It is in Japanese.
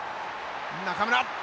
中村！